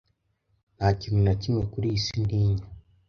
Nta kintu na kimwe kuri iyi si ntinya.